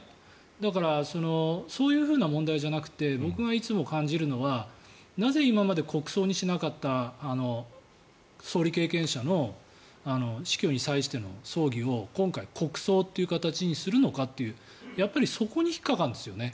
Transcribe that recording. だからそういうふうな問題じゃなくて僕がいつも感じるのはなぜ今まで国葬にしなかった総理経験者の死去に際しての葬儀を今回、国葬という形にするのかっていうやっぱりそこに引っかかるんですよね。